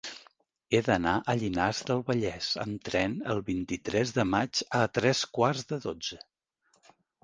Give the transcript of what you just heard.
He d'anar a Llinars del Vallès amb tren el vint-i-tres de maig a tres quarts de dotze.